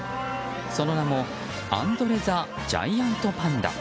その名もアンドレザ・ジャイアントパンダ。